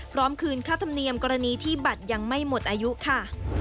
คืนค่าธรรมเนียมกรณีที่บัตรยังไม่หมดอายุค่ะ